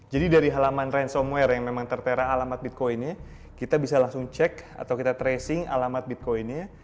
jadi dari halaman ransomware yang memang tertera alamat bitcoinnya kita bisa langsung cek atau kita tracing alamat bitcoinnya